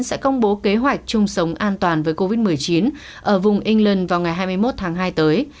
sẽ công bố kế hoạch chung sống an toàn với covid một mươi chín ở vùng england vào ngày hai mươi một tháng hai tới